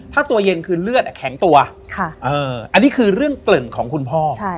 ถ้าตัวเย็นคือเลือดแข็งตัวอันนี้คือเรื่องเกริ่นของคุณพ่อ